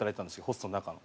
ホストの中の。